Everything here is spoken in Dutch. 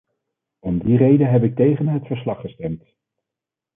Om die reden heb ik tegen het verslag gestemd.